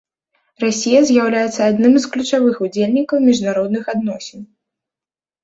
Расія з'яўляецца адным з ключавых удзельнікаў міжнародных адносін.